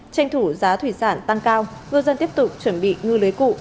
tranh thủ giá thủy sản tăng cao ngư dân tiếp tục chuẩn bị ngư lưới cụ